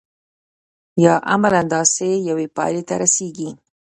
یا عملاً داسې یوې پایلې ته رسیږي.